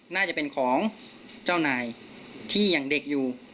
น่าจะเป็นของเจ้านายที่ยังเด็กอยู่